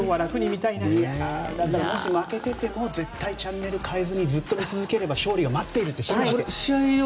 もし負けてても絶対にチャンネルを変えずにずっと見続けていたら勝利が待っていると信じて。